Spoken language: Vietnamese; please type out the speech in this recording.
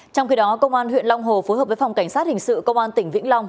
trong khi đó công an huyện long hồ phối hợp với phòng cảnh sát hình sự công an tỉnh vĩnh long